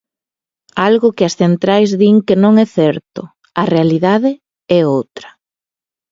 Algo que as centrais din que non é certo: "A realidade é outra".